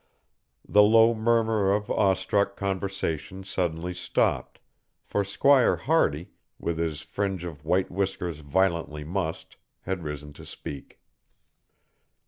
The low murmur of awestruck conversation suddenly stopped, for Squire Hardy, with his fringe of white whiskers violently mussed, had risen to speak.